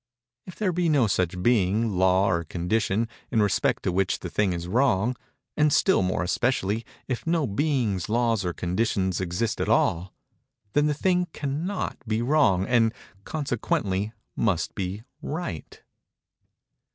If there be no such being, law, or condition, in respect to which the thing is wrong—and, still more especially, if no beings, laws, or conditions exist at all—then the thing can_not_ be wrong and consequently must be right.